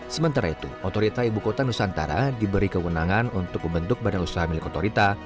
sementara itu otorita ibu kota nusantara diberi kewenangan untuk membentuk badan usaha milik otorita